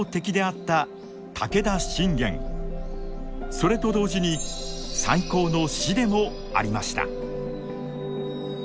それと同時に最高の師でもありました。